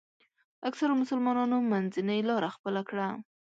اکثرو مسلمانانو منځنۍ لاره خپله کړه.